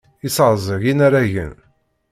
Yesseɛẓeg inaragen.